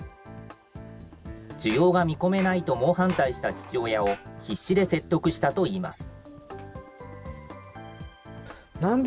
需要が見込めないと猛反対した父親を、必死で説得したといいます。